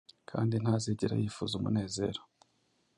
kandi ntazigera yifuza umunezero.